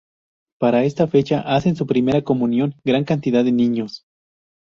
Para esta fecha hacen su primera comunión gran cantidad de niños.